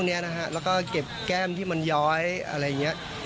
แล้วก็เก็บแก้มที่มันย้อยอะไรอย่างนี้